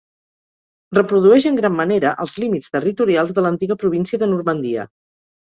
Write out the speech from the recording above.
Reprodueix en gran manera els límits territorials de l'antiga província de Normandia.